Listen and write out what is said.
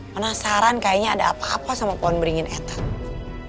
penasaran kayaknya ada apa apa sama formeringin etamu